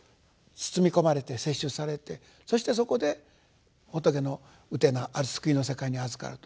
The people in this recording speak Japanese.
包み込まれて摂取されてそしてそこで仏の台救いの世界にあずかると。